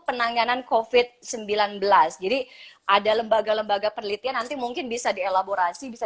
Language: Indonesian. penanganan kofit sembilan belas jadi ada lembaga lembaga penelitian nanti mungkin bisa dielaborasi bisa